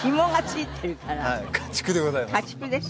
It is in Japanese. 家畜でございます。